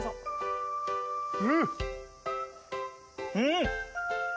うん！